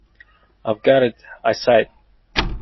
"I've got it," I said.